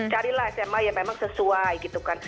carilah sma yang memang sesuai gitu kan